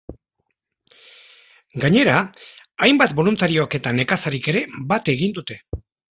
Gainera, hainbat boluntariok ere nekazarik ere bat egin dute.